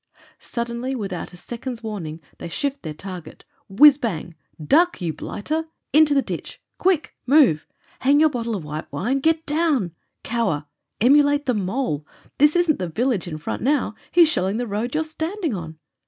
Suddenly, without a second's warning, they shift their target. Whizz bang ! Duck, you blighter 1 Into the ditch. Quick ! Move ! Hang your bottle of white wine ! Get down 1 Cower ! Emulate the mde ! This isn't the village in front now — he's shelling the road you're standing on!